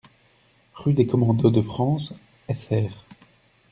Rue des Commandos de France, Essert